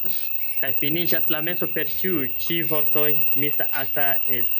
Kaj finiĝas la meso per tuj ĉi vortoj: "Missa acta est.